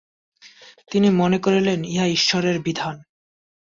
তিনি মনে করিলেন, ইহা ঈশ্বরের বিধান।